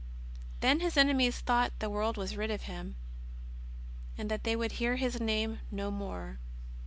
Then His enemies thought the world was rid of Hixn, and that they would hear His Name no more.